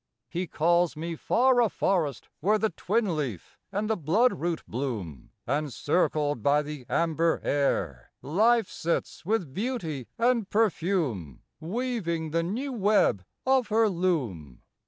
He calls me far a forest; where The twin leaf and the blood root bloom; And, circled by the amber air, Life sits with beauty and perfume Weaving the new web of her loom.